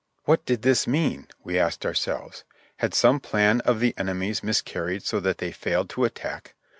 "What did this mean?" we asked ourselves! Had some plan of the enemy's miscarried so that they failed to attack?